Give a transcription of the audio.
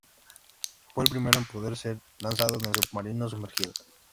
Fue el primero en poder ser lanzado con el submarino sumergido.